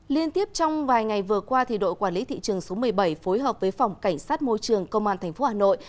liên tiếp trong vài ngày vừa qua đội quản lý thị trường số một mươi bảy phối hợp với phòng cảnh sát môi trường công an tp hà nội